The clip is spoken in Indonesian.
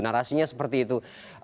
narasinya seperti itu